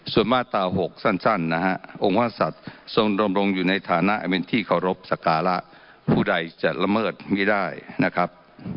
ส่วนมาตรา๖สั้นนะฮะองค์ว่าสัตว์ทรงดำรงอยู่ในฐานะเป็นที่เคารพสักการะผู้ใดจะละเมิดไม่ได้นะครับ